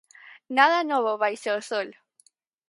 ¡Nada novo baixo o sol!